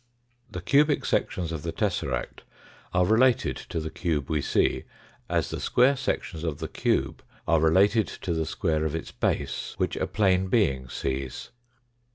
The cubic sections of the tesseract are related to the cube we see, as the square sections of the cube are related to the square of its base which a plane being sees.